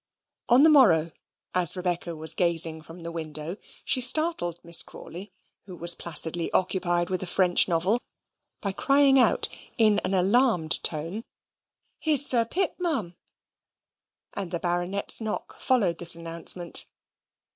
On the morrow, as Rebecca was gazing from the window, she startled Miss Crawley, who was placidly occupied with a French novel, by crying out in an alarmed tone, "Here's Sir Pitt, Ma'am!" and the Baronet's knock followed this announcement.